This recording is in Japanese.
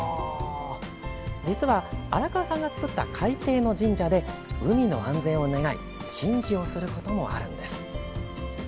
実は、荒川さんが作った海底の神社で海の安全を願い神事をすることもあるんです。